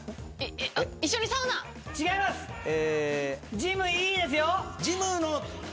ジムいいですよ。